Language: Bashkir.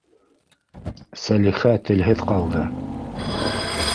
Сәлихә телһеҙ ҡалды.